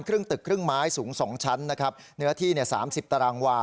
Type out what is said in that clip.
ครึ่งตึกครึ่งไม้สูง๒ชั้นนะครับเนื้อที่เนี่ย๓๐ตารางวา